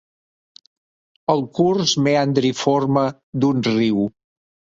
El curs meandriforme d'un riu.